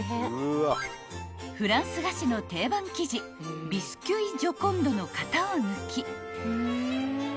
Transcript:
［フランス菓子の定番生地ビスキュイジョコンドの型を抜き］